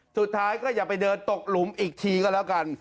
สุดท้ายก็อย่าไปเดินตกหลุมอีกทีก็แล้วกัน